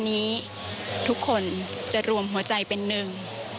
นี้ทุกคนจะรวมหัวใจเป็นหนึ่ง